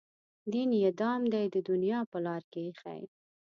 دین یې دام دی د دنیا په لار کې ایښی.